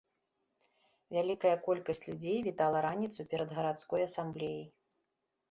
Вялікая колькасць людзей вітала раніцу перад гарадской асамблеяй.